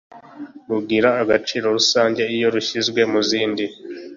rugira agaciro gusa iyo rushyizwe muzindi